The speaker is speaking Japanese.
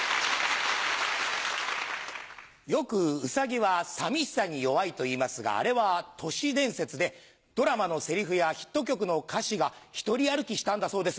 よくウサギは寂しさに弱いといいますがあれは都市伝説でドラマのセリフやヒット曲の歌詞が独り歩きしたんだそうです。